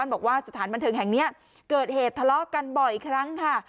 บอกว่าสถานบันเทิงแห่งนี้เกิดเหตุทะเลาะกันบ่อยครั้งค่ะ